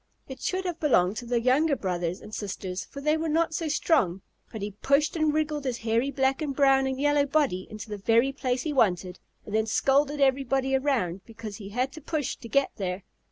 It should have belonged to the younger brothers and sisters, for they were not so strong, but he pushed and wriggled his hairy black and brown and yellow body into the very place he wanted, and then scolded everybody around because he had to push to get there.